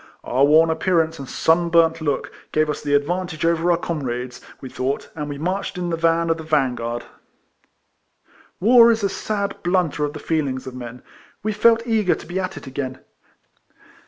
Our worn appearance and sun burnt look gave us the advantage over our comrades, we thought, and we marched in the van of the vansuard. AYar is a sad blunter of the feelings of men. We felt eager to be at it again.